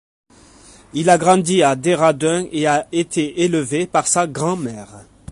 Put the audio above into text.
Il a grandi à Dehradun et a été élevé par sa grand-mère.